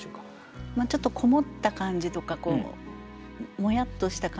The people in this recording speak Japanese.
ちょっと籠もった感じとかもやっとした感じ。